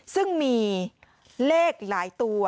ซึ่งมีเลขหลายตัว